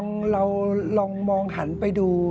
ซึ่งพอเราลองมองหันไปดู